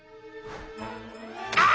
ああ！